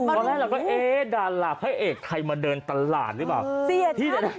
พอแล้วเราก็เอ๋ดารหลับให้เอกใครมาเดินตลาดหรือเปล่า